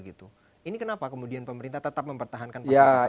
ini kenapa kemudian pemerintah tetap mempertahankan pasal pasal